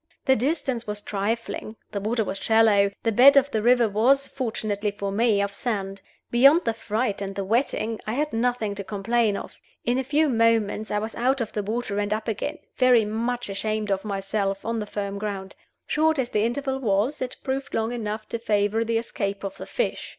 The distance was trifling, the water was shallow, the bed of the river was (fortunately for me) of sand. Beyond the fright and the wetting I had nothing to complain of. In a few moments I was out of the water and up again, very much ashamed of myself, on the firm ground. Short as the interval was, it proved long enough to favor the escape of the fish.